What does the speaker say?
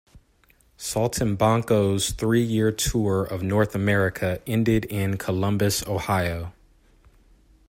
"Saltimbanco"'s three-year tour of North America ended in Columbus, Ohio.